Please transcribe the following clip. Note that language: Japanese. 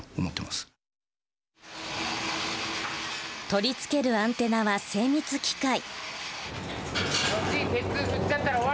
取り付けるアンテナは精密機械。